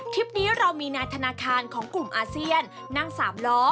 คลิปนี้เรามีนายธนาคารของกลุ่มอาเซียนนั่งสามล้อ